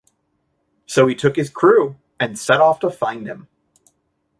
So he took his crew and set off to find him.